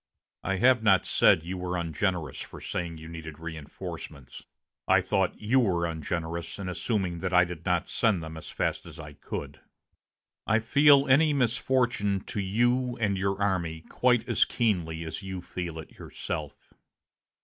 I have not said you were ungenerous for saying you needed reinforcements. I thought you were ungenerous in assuming that I did not send them as fast as I could. I feel any misfortune to you and your army quite as keenly as you feel it yourself.